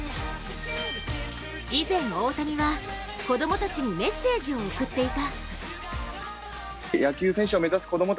以前、大谷は子供たちにメッセージを送っていた。